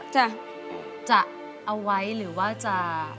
จะเอาไว้หรือว่าจะ